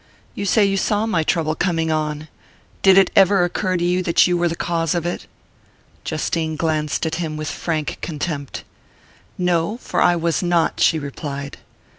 You say you saw my trouble coming on did it ever occur to you that you were the cause of it?" Justine glanced at him with frank contempt. "No for I was not," she replied.